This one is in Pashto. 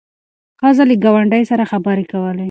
ښځه له ګاونډۍ سره خبرې کولې.